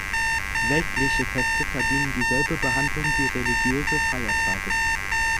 Weltliche Feste verdienen dieselbe Behandlung wie religiöse Feiertage.